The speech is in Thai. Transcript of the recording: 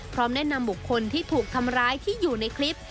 แนะนำบุคคลที่ถูกทำร้ายที่อยู่ในคลิป